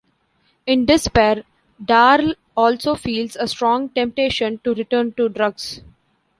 In despair, Daryl also feels a strong temptation to return to drugs.